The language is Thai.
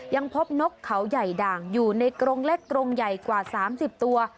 ยังพบนกเขาใหญ่ด่างอยู่ในกรงเล็กกรงใหญ่กว่า๓๐ตัว